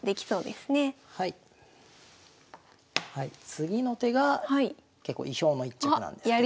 次の手が結構意表の一着なんですけど。